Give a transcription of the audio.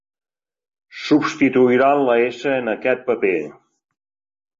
Substituiran la s en aquest paper.